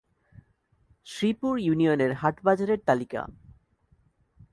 শ্রীপুর ইউনিয়নের হাট-বাজারের তালিকাঃ